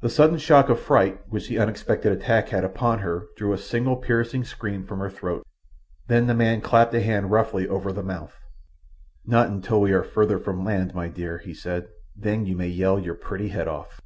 The sudden shock of fright which the unexpected attack had upon her drew a single piercing scream from her throat; then the man clapped a hand roughly over the mouth. "Not until we are farther from land, my dear," he said. "Then you may yell your pretty head off."